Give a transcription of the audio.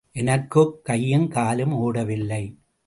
எனக்குக் கையும் காலும் ஓடவில்லை.